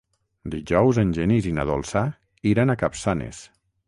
Dijous en Genís i na Dolça iran a Capçanes.